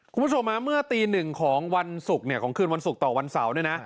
คุณผู้ชมเมื่อตีหนึ่งของวันศุกร์เนี่ยของคืนวันศุกร์ต่อวันเสาร์เนี่ยนะ